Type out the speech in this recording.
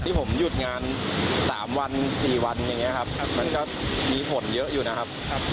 ที่ผมหยุดงาน๓วัน๔วันอย่างนี้ครับมันก็มีผลเยอะอยู่นะครับ